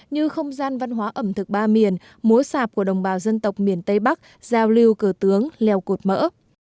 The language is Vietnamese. như không gian văn hóa ẩm thực ba miền múa sạp của đồng bào dân tộc miền tây bắc giao lưu cờ tướng leo cột mỡ